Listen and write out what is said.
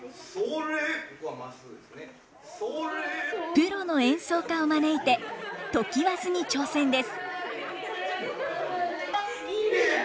プロの演奏家を招いて常磐津に挑戦です。